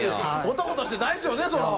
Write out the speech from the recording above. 男として大事よねそれは。